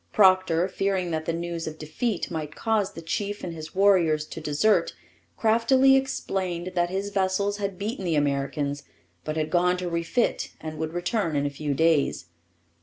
Procter, fearing that the news of defeat might cause the chief and his warriors to desert, craftily explained that his vessels had beaten the Americans, but had gone to refit and would return in a few days.